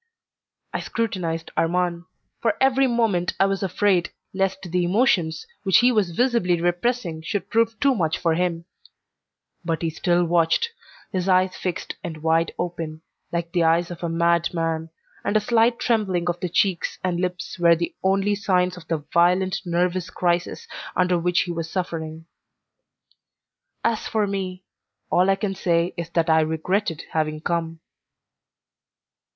I scrutinized Armand, for every moment I was afraid lest the emotions which he was visibly repressing should prove too much for him; but he still watched, his eyes fixed and wide open, like the eyes of a madman, and a slight trembling of the cheeks and lips were the only signs of the violent nervous crisis under which he was suffering. As for me, all I can say is that I regretted having come.